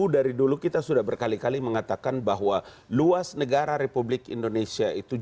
dari dulu kita sudah berkali kali mengatakan bahwa luas negara republik indonesia itu